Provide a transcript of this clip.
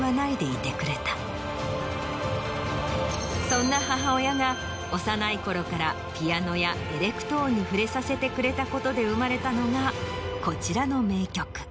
そんな母親が幼い頃からピアノやエレクトーンに触れさせてくれたことで生まれたのがこちらの名曲。